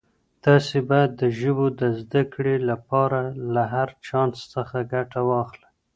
تاسي باید د ژبو د زده کړې لپاره له هر چانس څخه ګټه واخلئ.